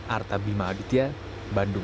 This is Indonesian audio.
arta bima aditya bandung